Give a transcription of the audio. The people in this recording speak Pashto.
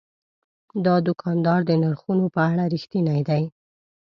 دا دوکاندار د نرخونو په اړه رښتینی دی.